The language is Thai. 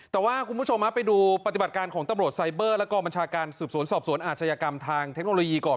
แต่ว่าคุณผู้ชมไปดูปฏิบัติการของตำรวจไซเบอร์และกองบัญชาการสืบสวนสอบสวนอาชญากรรมทางเทคโนโลยีก่อน